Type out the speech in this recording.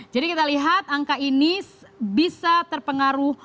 jadi kita lihat angka ini bisa terpengaruh